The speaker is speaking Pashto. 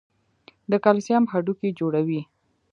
د کلسیم هډوکي جوړوي.